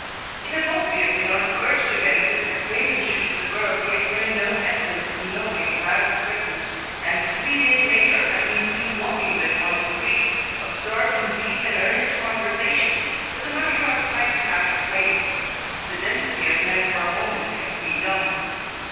It had obviously not occurred to him that his acquaintanceship with a girl he had given no evidence of knowing when I was present, and three days later had been seen walking with on the street, absorbed in deep and earnest conversation, was a matter I would like to have explained. The density of men for a moment kept me dumb.